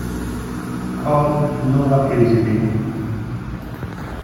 Kohl non la prese bene.